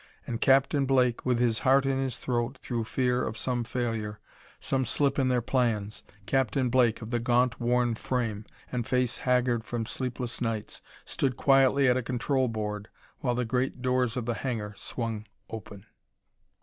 And Captain Blake, with his heart in his throat through fear of some failure, some slip in their plans Captain Blake, of the gaunt, worn frame, and face haggard from sleepless nights stood quietly at a control board while the great doors of the hangar swung open.